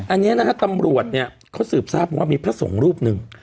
อันนี้นะฮะตำรวจเนี่ยเขาสืบทราบมาว่ามีพระสงฆ์รูปหนึ่ง